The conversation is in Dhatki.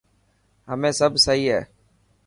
همي سب سهي هي؟